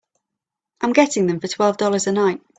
I'm getting them for twelve dollars a night.